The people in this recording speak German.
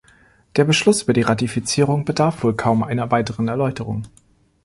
Der Beschluss über die Ratifizierung bedarf wohl kaum einer weiteren Erläuterung.